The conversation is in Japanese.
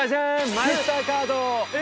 マイスターカード！